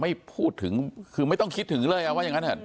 ไม่พูดถึงคือไม่ต้องคิดถึงเลยว่าอย่างนั้นเถอ